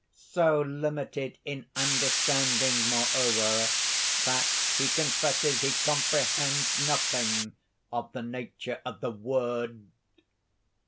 "So limited in understanding, moreover, that he confesses he comprehends nothing of the nature of the "Word!"